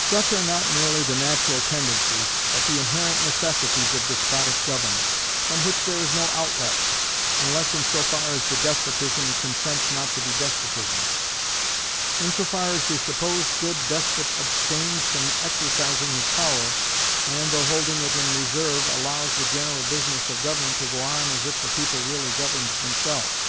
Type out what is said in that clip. Such are not merely the natural tendencies, but the inherent necessities of despotic government; from which there is no outlet, unless in so far as the despotism consents not to be despotism; in so far as the supposed good despot abstains from exercising his power, and, though holding it in reserve, allows the general business of government to go on as if the people really governed themselves.